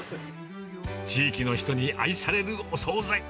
地域の人に愛されるお総菜。